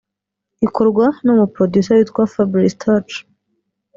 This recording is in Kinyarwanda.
ikorwa n’umu ’Producer’ witwa Fabrice Touch